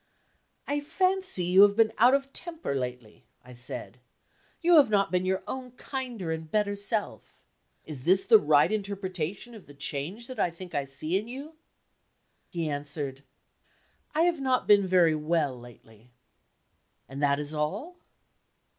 "I fancy you have been out of temper lately," I said. "You have not been your own kinder and better self. Is this the right interpretation of the change that I think I see in you?" He answered: "I have not been very well lately." "And that is all?"